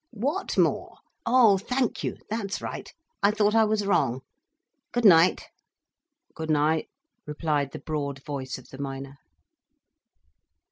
"Whatmore! Oh thank you, that's right. I thought I was wrong. Good night." "Good night," replied the broad voice of the miner.